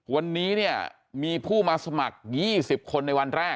วันนี้เนี่ยมีผู้มาสมัคร๒๐คนในวันแรก